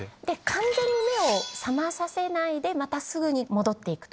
完全に目を覚まさせないでまたすぐに戻って行くと。